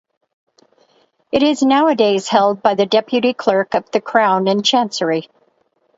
It is nowadays held by the Deputy Clerk of the Crown in Chancery.